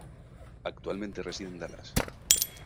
Actualmente reside en Dallas.